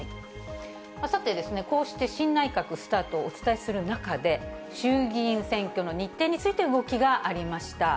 さて、こうして新内閣スタートをお伝えする中で、衆議院選挙の日程について動きがありました。